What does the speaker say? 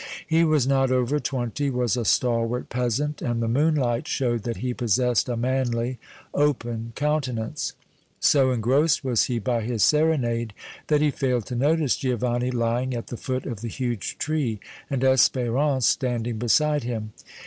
He was not over twenty, was a stalwart peasant, and the moonlight showed that he possessed a manly, open countenance. So engrossed was he by his serenade that he failed to notice Giovanni lying at the foot of the huge tree and Espérance standing beside him.